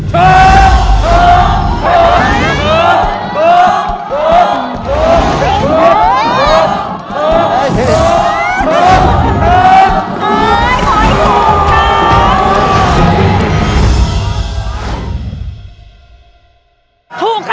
เฮ้ยขอให้ถูกค่ะ